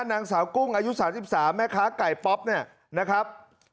นางสาวกุ้งอายุ๓๓แม่ค้าไก่ป๊อปเนี่ยนะครับ